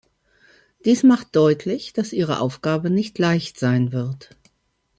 Dies macht deutlich, dass Ihre Aufgabe nicht leicht sein wird.